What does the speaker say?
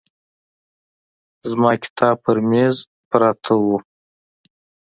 زما کتاب په مېز پراته وو.